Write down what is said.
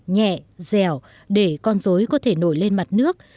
nhẹ dẻo để con dối có thể nổi lên mặt nước